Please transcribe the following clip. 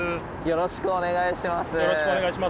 よろしくお願いします。